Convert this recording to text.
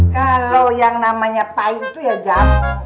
kalau yang namanya pahit tuh ya jamu